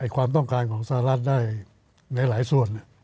ความต้องการของสหรัฐได้ในหลายส่วน